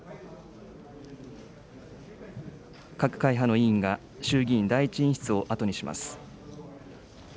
各会派の委員が衆議院第１委員室を後にします。